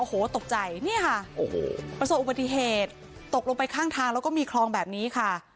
อันนี้ค่ะประสบอุบัติเหตุตกลงไปข้างทางแล้วก็มีคลองแบบนี้ค่ะ